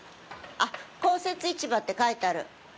あっ、公設市場って書いてある。